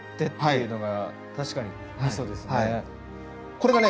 これがね